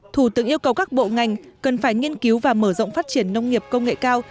thủ tướng yêu cầu các bộ ngành cần phải nghiên cứu và mở rộng phát triển nông nghiệp công nghệ cao